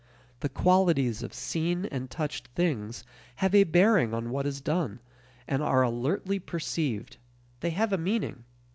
The qualities of seen and touched things have a bearing on what is done, and are alertly perceived; they have a meaning.